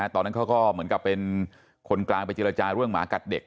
ตอนนั้นเขาก็เหมือนกับเป็นคนกลางไปเจรจาเรื่องหมากัดเด็ก